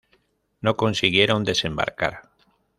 No consiguieron desembarcar.